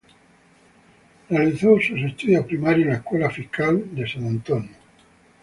Realizó sus estudios primarios en la Escuela Fiscal de San Antonio.